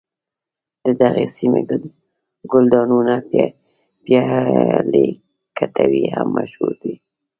د دغې سیمې ګلدانونه پیالې کټوۍ هم مشهور دي.